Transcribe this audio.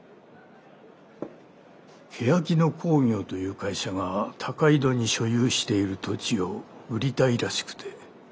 けやき野興業という会社が高井戸に所有している土地を売りたいらしくて。